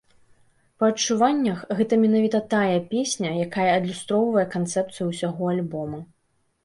Па адчуваннях, гэта менавіта тая песня, якая адлюстроўвае канцэпцыю ўсяго альбома.